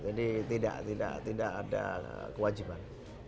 jadi tidak ada kewajiban